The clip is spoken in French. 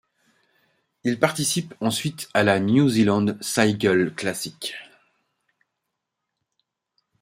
Il participe ensuite à la New Zealand Cycle Classic.